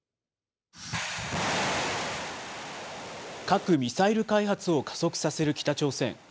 核・ミサイル開発を加速させる北朝鮮。